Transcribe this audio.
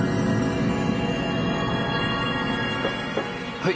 はい！